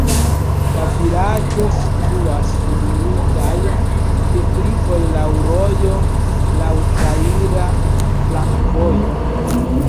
La vilaĝo situas sur mildaj deklivoj, laŭ rojo, laŭ traira flankovojo.